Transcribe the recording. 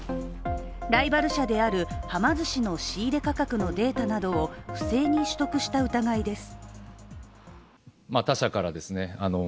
ライバル社である、はま寿司の仕入れ価格のデータなどを不正に取得した疑いです。